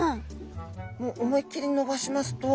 もう思いっ切り伸ばしますと。